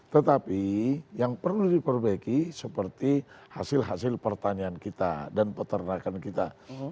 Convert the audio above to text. tetapi yang perlu diperbaiki seperti hasil hasil pertanian kita dan peternakan kita